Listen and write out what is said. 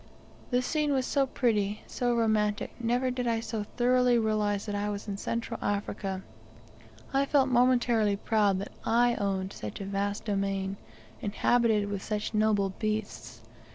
The scene was so pretty, so romantic, never did I so thoroughly realize that I was in Central Africa. I felt momentarily proud that I owned such a vast domain, inhabited with such noble beasts.